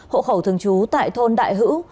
hộ khẩu thường trú tại thôn đại hữu